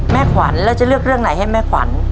ขวัญแล้วจะเลือกเรื่องไหนให้แม่ขวัญ